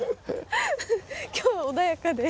今日は穏やかで。